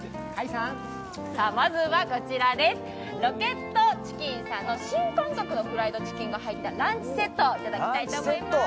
まずは、ＲＯＣＫＥＴＣＨＩＣＫＥＮさんの新感覚のフライドチキンが入ったランチセットを頂きたいと思います。